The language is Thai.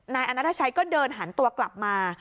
นายอนัทชัยก็เดินหันตัวกลับมา